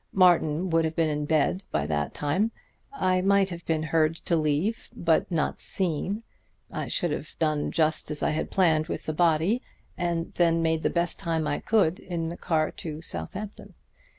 Martin would have been in bed by that time. I might have been heard to leave, but not seen. I should have done just as I had planned with the body, and then made the best time I could in the car to Southampton.